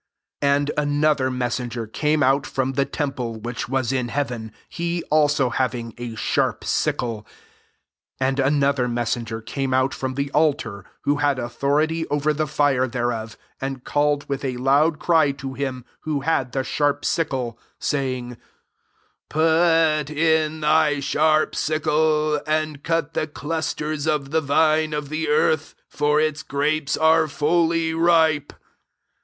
17 And another messenger came out from the temple which ivaa in heaven, he also having a sharp sickle. 18 And another messenger came out from the altar, who had authority over the fire thereof, aiid called with a loud cry to him who had the sharp sickle, saying, "Put in thy sharp sickle, and cut the clusters of the vine of the earth; for its grapes are fully ripe."